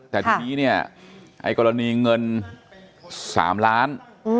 แต่ทีนี้เนี่ยไอ้กรณีเงิน๓ล้าน